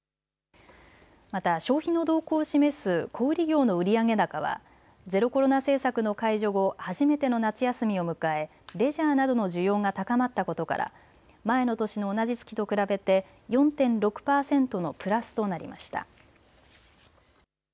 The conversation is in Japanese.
また消費の動向を示す小売業の売上高はゼロコロナ政策の解除後初めての夏休みを迎えレジャーなどの需要が高まったことから前の年の同じ月と比べて４．６％のプラスとなりました。